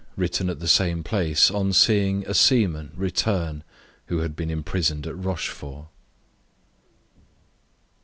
Written at the same place, on seeing a Seaman return who had been imprisoned at Rochfort.